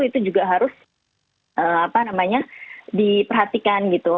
itu juga harus diperhatikan gitu